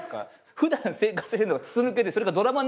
普段生活してるのが筒抜けでそれがドラマになって返ってくる。